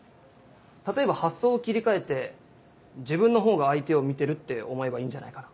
例えば発想を切り替えて自分の方が相手を見てるって思えばいいんじゃないかな。